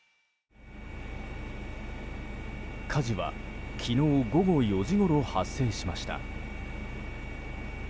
火事は昨日午後４時ごろ発生しました。